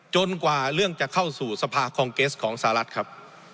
กว่าเรื่องจะเข้าสู่สภาคองเกสของสหรัฐครับ